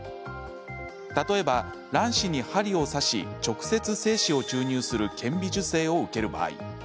例えば、卵子に針を刺し直接精子を注入する顕微授精を受ける場合。